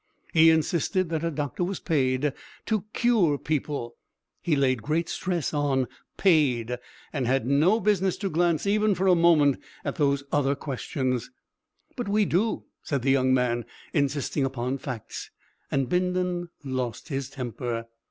He insisted that a doctor was paid to cure people he laid great stress on "paid" and had no business to glance even for a moment at "those other questions." "But we do," said the young man, insisting upon facts, and Bindon lost his temper.